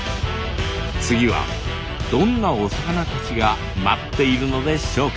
次はどんなお魚たちが待っているのでしょうか。